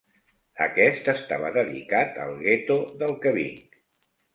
Aquest estava dedicat al gueto del què vinc.